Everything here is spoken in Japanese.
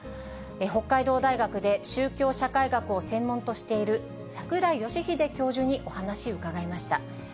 北海道大学で宗教社会学を専門としている櫻井義秀教授にお話伺いました。